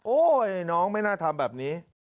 น้องไม่น่าทำแบบนี้